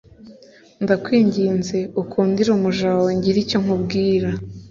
Ndakwinginze ukundire umuja wawe ngire icyo nkubwira